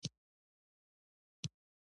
پنځم څپرکی د کبانو روزنه او بڼوالۍ په هکله دی.